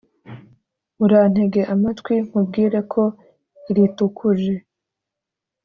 Urantege amatwi nkubwire ko iritukuje